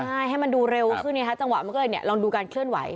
ใช่ให้มันดูเร็วขึ้นไงคะจังหวะมันก็เลยเนี่ยลองดูการเคลื่อนไหว